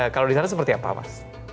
kalau di sana seperti apa mas